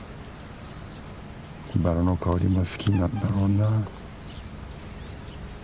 バラの香りも好きなんだろうな。